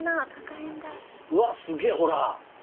うわすげえほら。